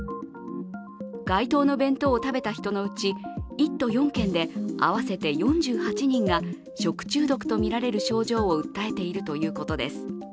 該当の弁当を食べた人のうち１都４県で合わせて４８人が食中毒とみられる症状を訴えているということです。